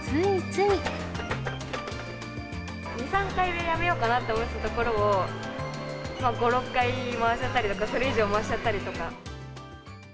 ２、３回でやめようかなと思ってたところを、５、６回回しちゃったりとか、それ以上回しちゃったりとか。